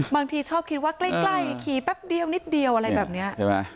บางทีชอบคิดว่าใกล้ขี่แป๊บเดียวนิดเดียวอะไรแบบนี้ใช่ไหม